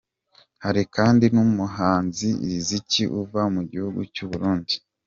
Hari kandi n’umuhanzi Riziki uva mu gihigu cy’u Burundi.